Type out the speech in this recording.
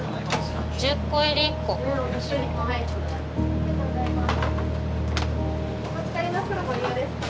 ありがとうございます。